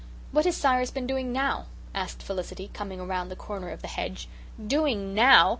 "What has Cyrus been doing now?" asked Felicity, coming around the corner of the hedge. "Doing NOW!